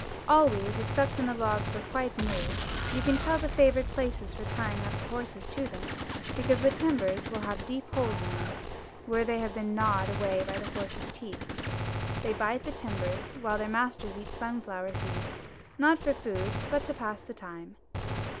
Always, except when the logs are quite new, you can tell the favourite places for tying up horses to them, because the timbers will have deep holes in them, where they have been gnawed away by the horses' teeth. They bite the timbers, while their masters eat sunflower seeds, not for food, but to pass the time.